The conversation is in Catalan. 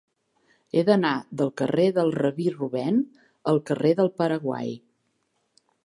He d'anar del carrer del Rabí Rubèn al carrer del Paraguai.